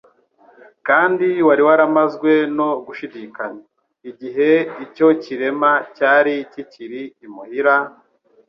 kandi wari waramazwe no gushidikanya. Igihe icyo kirema cyari kikiri imuhira,